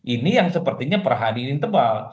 ini yang sepertinya perhari ini tebal